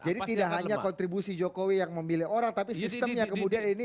jadi tidak hanya kontribusi jokowi yang memilih orang tapi sistemnya kemudian ini